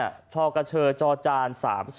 ธาเกราะเชอจจาล๓๒๔